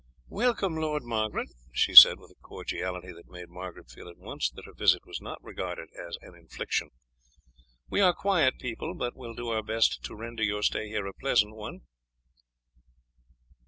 "Welcome, Lady Margaret," she said with a cordiality that made Margaret feel at once that her visit was not regarded as an infliction. "We are quiet people, but will do our best to render your stay here a pleasant one."